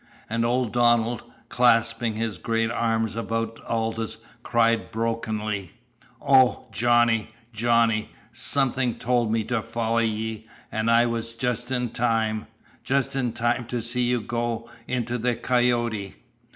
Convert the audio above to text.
And old Donald, clasping his great arms about Aldous, cried brokenly: "Oh, Johnny, Johnny something told me to foller ye an' I was just in time just in time to see you go into the coyote!"